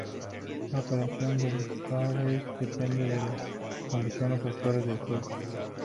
La operación del Stargate depende de las condiciones actuales del juego.